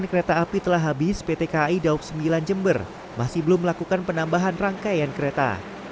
kereta api telah habis pt kai daob sembilan jember masih belum melakukan penambahan rangkaian kereta